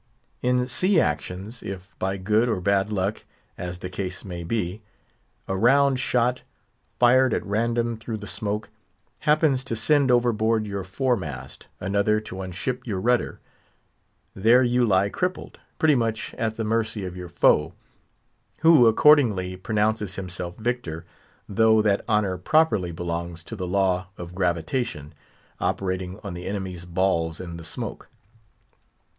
In sea actions, if by good or bad luck, as the case may be, a round shot, fired at random through the smoke, happens to send overboard your fore mast, another to unship your rudder, there you lie crippled, pretty much at the mercy of your foe: who, accordingly, pronounces himself victor, though that honour properly belongs to the Law of Gravitation operating on the enemy's balls in the smoke.